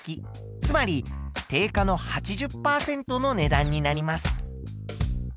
つまり定価の８０％の値段になります。